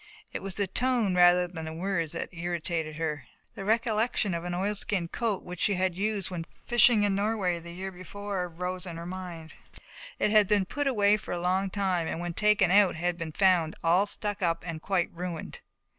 It was the tone rather than the words that irritated her. The recollection of an oilskin coat which she had used when fishing in Norway the year before rose in her mind. It had been put away for a long time and when taken out had been found all stuck up and quite ruined.